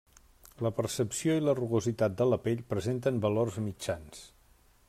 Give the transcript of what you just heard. La percepció i la rugositat de la pell presenten valors mitjans.